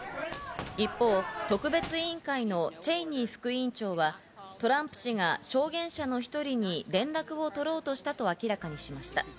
一方、特別委員会のチェイニー副委員長はトランプ氏が証言者の１人に連絡を取ろうとしたと明らかにしました。